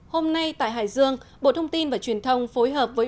hôm nay tại hải dương bộ thông tin và truyền thông phối hợp với tổ quốc